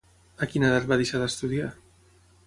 A quina edat va deixar d'estudiar?